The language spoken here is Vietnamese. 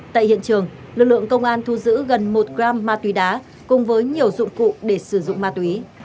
tại hiện trường lực lượng công an thu giữ gần một gram ma túy đá cùng với nhiều dụng cụ để sử dụng ma túy